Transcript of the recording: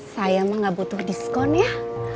saya emang gak butuh diskon ya